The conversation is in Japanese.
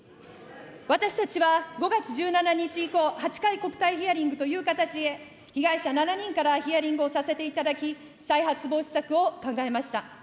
私たちは５月１７日以降、８回、国対ヒアリングという形で、被害者７人からヒアリングをさせていただき、再発防止策を考えました。